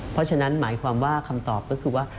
เพราะฉะนั้นหมายความว่าคำตอบก็คือว่า